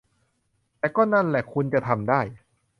แต่ก็นั่นล่ะคุณจะทำได้